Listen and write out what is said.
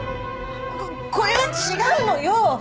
ここれは違うのよ！